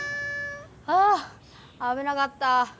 あああぶなかった。